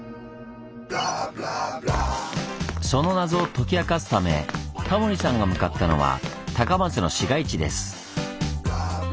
その謎を解き明かすためタモリさんが向かったのは高松の市街地です。